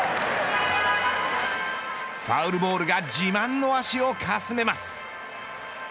ファウルボールが自慢の足をかすめます。